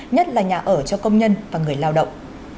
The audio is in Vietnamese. nhất là nhà ở cho công nhân và người lao động